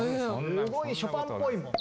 すごいショパンぽいもん。